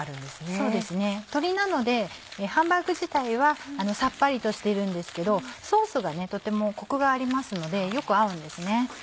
そうですね鶏なのでハンバーグ自体はさっぱりとしているんですけどソースがとてもコクがありますのでよく合うんですね。